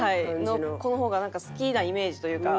の子の方がなんか好きなイメージというか。